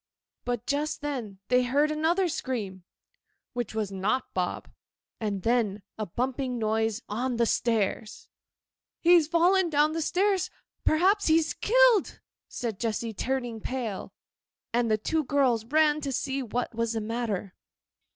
But just then they heard another scream—which was not Bob—and then a bumping noise on the stairs. 'He's fallen down stairs. Perhaps he's killed,' said Jessy, turning pale. And the two girls ran to see what was the matter.